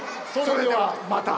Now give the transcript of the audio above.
それではまた！